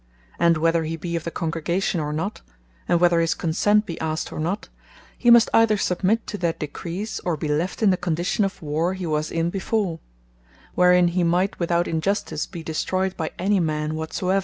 And whether he be of the Congregation, or not; and whether his consent be asked, or not, he must either submit to their decrees, or be left in the condition of warre he was in before; wherein he might without injustice be destroyed by any man whatsoever.